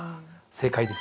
正解です。